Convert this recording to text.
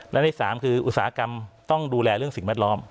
และที่๓คืออุตสาหกรรมต้องดูแลเรื่องสิ่งแวดล้อม